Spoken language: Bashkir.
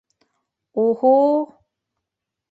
У-һу-у!